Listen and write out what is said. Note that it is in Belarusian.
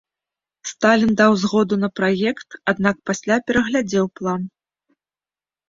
Сталін даў згоду на праект, аднак пасля пераглядзеў план.